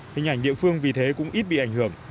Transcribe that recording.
hình ảnh địa phương vì thế cũng ít bị ảnh hưởng